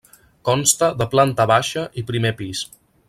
Consta de planta baixa i primes pis.